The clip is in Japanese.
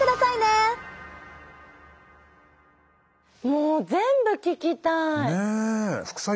もう全部聞きたい！ね！